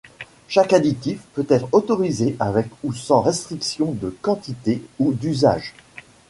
Chaque additif peut être autorisé avec ou sans restriction de quantité ou d'usage.